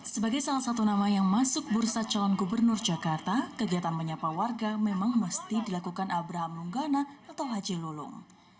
sebagai salah satu nama yang masuk bursa calon gubernur jakarta kegiatan menyapa warga memang mesti dilakukan abraham lunggana atau haji lulung